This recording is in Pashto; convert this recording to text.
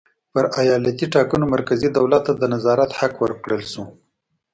پر ایالتي ټاکنو مرکزي دولت ته د نظارت حق ورکړل شو.